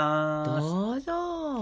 どうぞ。